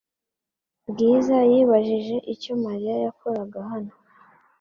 Bwiza yibajije icyo Mariya yakoraga hano .